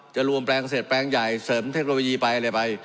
รวมแปลงเกษตรแปลงใหญ่เสริมเทคโนโลยีไปอะไรไป